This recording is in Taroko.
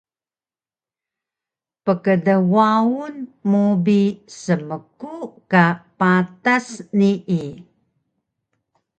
pkdwaun mu bi smku ka patas nii